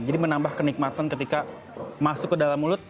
jadi menambah kenikmatan ketika masuk ke dalam mulut